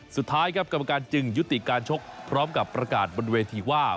สุดท้ายครับกรรมการจึงยุติการชกพร้อมกับประกาศบนเวทีว่า